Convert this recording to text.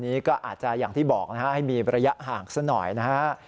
อันนี้ก็อาจจะอย่างที่บอกให้มีระยะห่างสักหน่อยนะฮะ